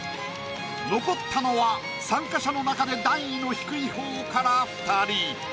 残ったのは参加者の中で段位の低いほうから２人。